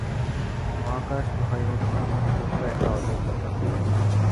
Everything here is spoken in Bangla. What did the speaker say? মহাকাশ ভয় হচ্ছে তোমার নিজস্ব একটা অযোগ্যতা।